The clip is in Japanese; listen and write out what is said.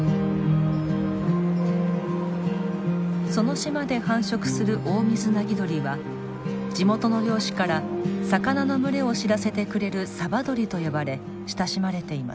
その島で繁殖するオオミズナギドリは地元の漁師から魚の群れを知らせてくれる「サバドリ」と呼ばれ親しまれています。